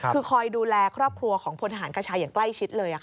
คือคอยดูแลครอบครัวของพลทหารคชาอย่างใกล้ชิดเลย